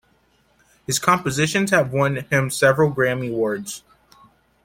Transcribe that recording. His compositions have won him several Grammy Awards.